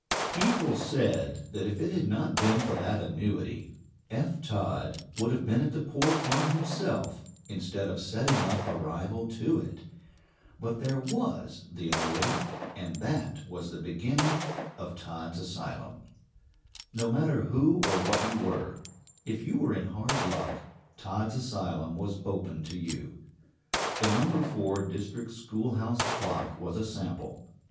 People said that if it had not been for that annuity Eph Todd would have been at the poor farm himself instead of setting up a rival to it; but there was the annuity, and that was the beginning of Todd's asylum. [Footnote 6: From the Outlook, November 19, 1898.] No matter who or what you were, if you were in hard luck, Todd's asylum was open to you. The No. 4 district schoolhouse clock was a sample.